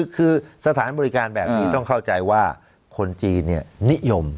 คือสถานบริการแบบนี้ต้องเข้าใจว่าคนจีนนิยม